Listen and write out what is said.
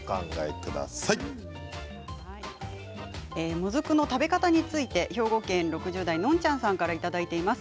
もずくの食べ方について兵庫県６０代の方からいただいています。